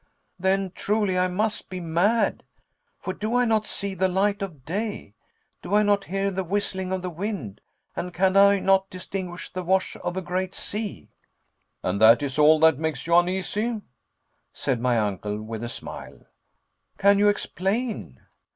"Then truly I must be mad, for do I not see the light of day? do I not hear the whistling of the wind? and can I not distinguish the wash of a great sea?" "And that is all that makes you uneasy?" said my uncle, with a smile. "Can you explain?"